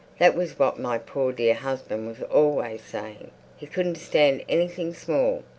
That was what my poor dear husband was always saying. He couldn't stand anything small.